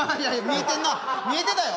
見えてたよ。